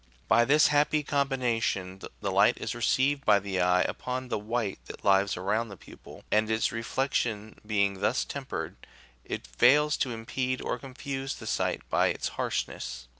By this happy combina tion the light is received by the eye upon the white that lies around the pupil, and its reflection being thus tempered, it fails to impede or confuse the sight by its harshness.